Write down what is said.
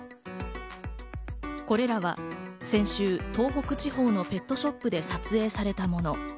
これらは先週、東北地方のペットショップで撮影されたもの。